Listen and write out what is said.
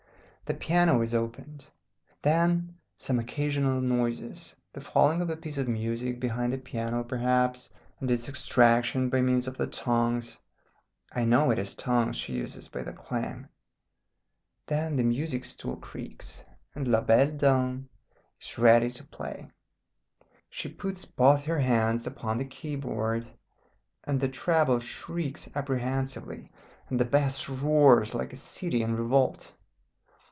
The piano is opened. Then some occasional noises the falling of a piece of music behind the piano, perhaps, and its extraction by means of the tongs I know it is tongs she uses by the clang. Then the music stool creaks, and La Belle Dame is ready to play. She puts both her hands upon the key board, and the treble shrieks apprehensively, and the bass roars like a city in revolt.